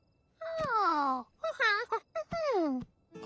ああ。